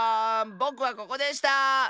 ぼくはここでした！